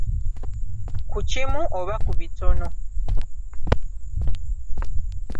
Ku Kimu oba ku bitono